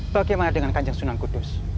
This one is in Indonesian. bagaimana dengan kanjeng sunan kudus